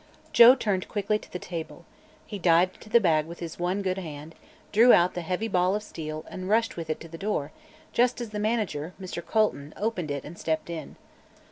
Joe turned quickly to the table. He dived into the bag with his one good hand, drew out the heavy ball of steel and rushed with it to the door just as the manager, Mr. Colton, opened it and stepped in.